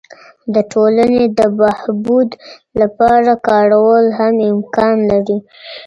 د ټولني د بهبود لپاره کارول هم امکان لري.